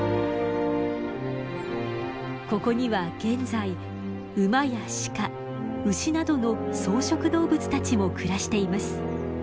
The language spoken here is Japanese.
ここには現在ウマやシカウシなどの草食動物たちも暮らしています。